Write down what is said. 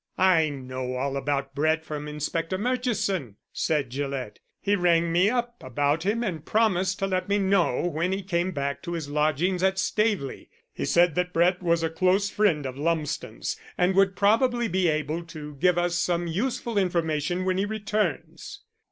"I know all about Brett from Inspector Murchison," said Gillett. "He rang me up about him and promised to let me know when he came back to his lodgings at Staveley. He said that Brett was a close friend of Lumsden's, and would probably be able to give us some useful information when he returns."